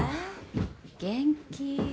元気。